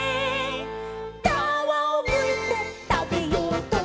「かわをむいてたべようと」